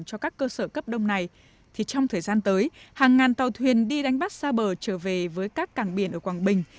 cho các cơ sở cấp đông này thì trong thời gian tới hàng ngàn tàu thuyền đi đánh bắt xa bờ trở về với các cảng biển ở quảng bình